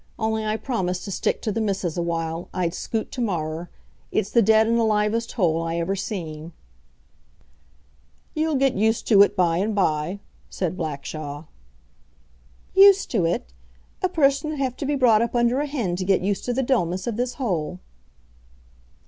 Only I promised to stick to the missus a while, I'd scoot tomorrer. It's the dead and alivest hole I ever seen." "You'll git used to it by and by," said Blackshaw. "Used to it! A person 'ud hev to be brought up onder a hen to git used to the dullness of this hole."